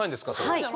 はい。